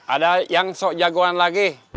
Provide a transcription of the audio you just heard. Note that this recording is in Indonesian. ada yang sok jagoan lagi